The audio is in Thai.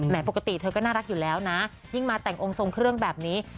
ปกติเธอก็น่ารักอยู่แล้วนะยิ่งมาแต่งองค์ทรงเครื่องแบบนี้